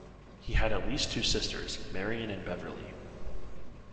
He had at least two sisters, Marian and Beverly.